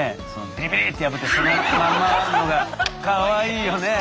ビリビリッて破ってそのままのがかわいいよね。